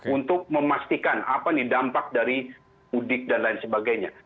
untuk memastikan apa nih dampak dari mudik dan lain sebagainya